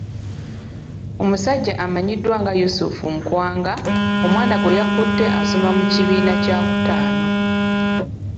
Omusajja amanyiddwa nga Yusuf Nkwanga omwana gwe yakutte asoma mu kibiina kyakutaano.